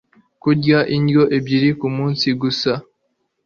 kurya indyo ebyiri ku munsi gusa